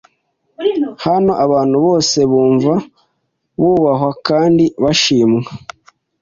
Hano, abantu bose bumva bubahwa kandi bashimwa.